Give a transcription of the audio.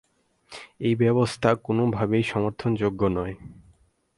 এই ব্যবস্থা কোনোভাবেই সমর্থনযোগ্য নয়।